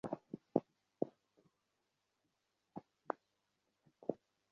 বৃষ্টি বাড়ছে, কিন্তু তাঁর হুড তুলতে কিংবা প্লাস্টিকের পর্দায় শরীর ঢাকতে ভালো লাগছে।